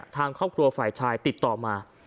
ทางครอบครัวฝ่ายชายติดต่อมา